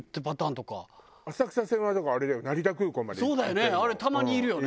そうだよねあれたまにいるよね。